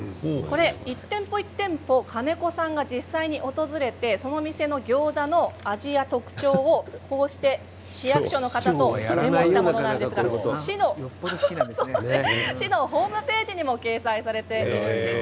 一店舗一店舗、金子さんが実際に訪れてその店の餃子の味や特徴をこうして市役所の方とまとめたものなんですが市のホームページでも掲載されています。